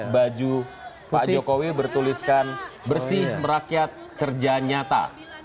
baju pak jokowi bertuliskan bersih merakyat kerja nyata